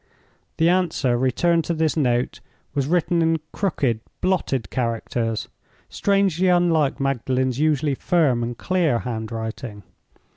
The answer returned to this note was written in crooked, blotted characters, strangely unlike Magdalen's usually firm and clear handwriting.